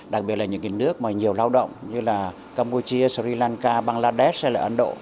đặc biệt là những nước mà nhiều lao động như là campuchia sri lanka bangladesh